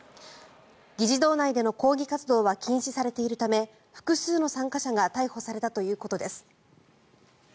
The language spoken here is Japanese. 議事堂内での抗議活動は禁止されているため複数の参加者が逮捕されたということです。